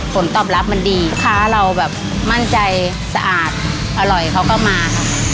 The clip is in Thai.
ผลตอบรับมันดีลูกค้าเราแบบมั่นใจสะอาดอร่อยเขาก็มาค่ะ